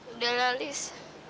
udah lah liz